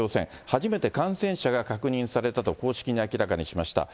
初めて感染者が確認されたと公式に明らかにしました。